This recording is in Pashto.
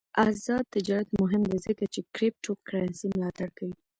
آزاد تجارت مهم دی ځکه چې کریپټو کرنسي ملاتړ کوي.